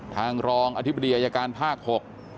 ทางรองอธิบดีอายการภาค๖